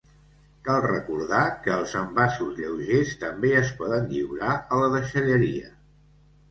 Cal recordar que els envasos lleugers també es poden lliurar a la deixalleria.